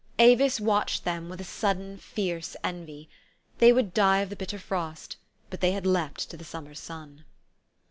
Avis watched them with a sudden, fierce envy : they would die of the bitter frost ; but they had leaped to the summer sun.